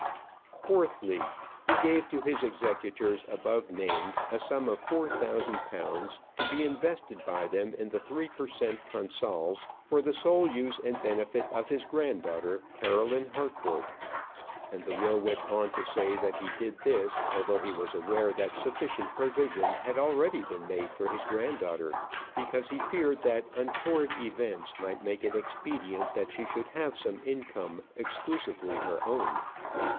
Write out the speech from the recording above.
Fourthly, he gave to his executors above named a sum of four thousand pounds, to be invested by them in the Three per Cent. Consols, for the sole use and benefit of his granddaughter, Caroline Harcourt. And the will went on to say, that he did this, although he was aware that sufficient provision had already been made for his granddaughter, because he feared that untoward events might make it expedient that she should have some income exclusively her own.